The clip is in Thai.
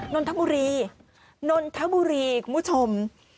นนทบุรีคุณผู้ชม